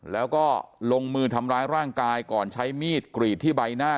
แล้วก็ลงมือทำร้ายร่างกายก่อนใช้มีดกรีดที่ใบหน้า